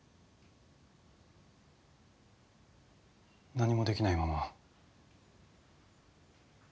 何もできないまま。